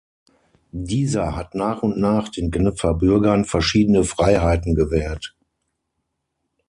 Dieser hat nach und nach den Genfer Bürgern verschiedene Freiheiten gewährt.